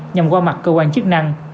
nhằm qua mặt cơ quan chức năng